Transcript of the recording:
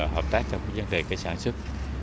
hợp tác trong vấn đề sản xuất